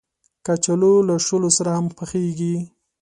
کچالو له شولو سره هم پخېږي